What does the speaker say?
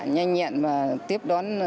nhanh nhẹn và tiếp đón